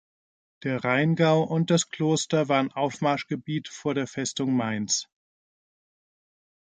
Der Rheingau und das Kloster waren Aufmarschgebiet vor der Festung Mainz.